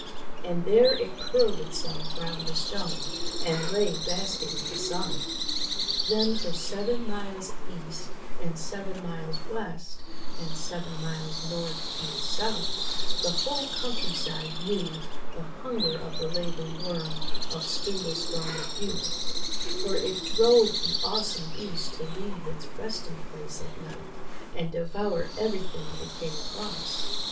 And there it curled itself round the stone, and lay basking in the sun. Then for seven miles east and seven miles west and seven miles north and south the whole country side knew the hunger of the Laidly Worm of Spindlestone Heugh, for it drove the awesome beast to leave its resting place at night and devour everything it came across.